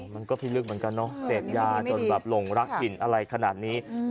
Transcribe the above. มันก็พิลึกเหมือนกันเนาะเสพยาจนแบบหลงรักถิ่นอะไรขนาดนี้